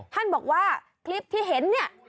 ท่านบอกว่าคลิปที่เห็นเนี่ย